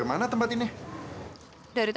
mikir apaan sih gue